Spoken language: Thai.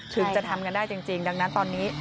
ถึงจะทำกันได้จริงดังนั้นตอนนี้